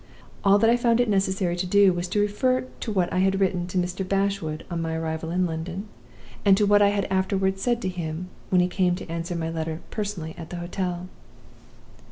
All that I found it necessary to do was to refer to what I had written to Mr. Bashwood, on my arrival in London, and to what I had afterward said to him, when he came to answer my letter personally at the hotel.